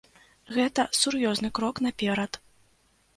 Гэта сур'ёзны крок наперад.